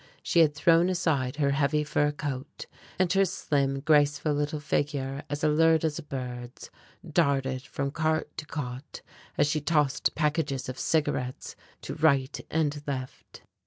She had thrown aside her heavy fur coat, and her slim graceful little figure as alert as a bird's darted from cart to cot as she tossed packages of cigarettes to right and left.